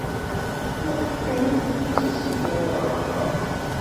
Maɣef kan ur d-ttasent ara ɣer da?